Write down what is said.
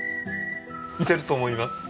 似てると思います。